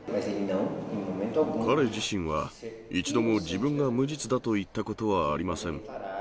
彼自身は、一度も自分が無実だと言ったことはありません。